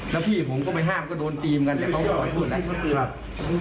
แล้วพี่ผมก็ไปห้ามก็โดนตีมกันแต่ต้องขอโทษนะ